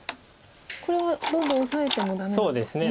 これはどんどんオサえてもダメなんですね。